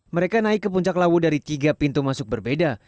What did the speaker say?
mereka naik ke puncak lawu dari tiga pintu masuk berbeda